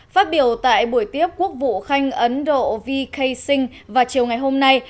phát biểu tại buổi tiếp quốc vụ khanh ấn độ vk singh vào chiều ngày hôm nay